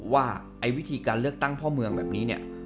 ว่าไอ้วิธีการเลือกตั้งพ่อเมืองแบบนี้เนี่ย